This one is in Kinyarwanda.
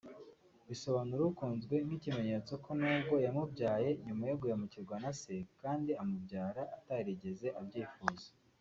risobanura “Ukunzwe” nk’ikimenyetso ko n’ubwo yamubyaye nyuma yo guhemukirwa na se kandi akamubyara atarigeze abyifuza